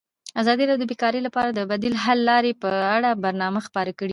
ازادي راډیو د بیکاري لپاره د بدیل حل لارې په اړه برنامه خپاره کړې.